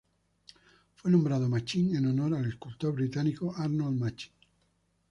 Fue nombrado Machin en honor al escultor británico Arnold Machin.